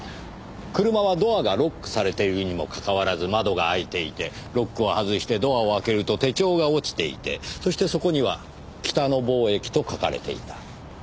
車はドアがロックされているにもかかわらず窓が開いていてロックを外してドアを開けると手帳が落ちていてそしてそこには「北野貿易」と書かれていた。